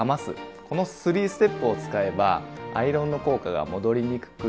この３ステップを使えばアイロンの効果が戻りにくく